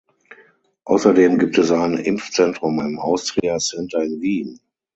Außerdem gibt es ein Impfzentrum im Austria Center in Wien.